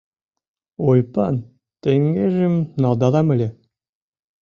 Ойыпан теҥгежым налдалам ыле -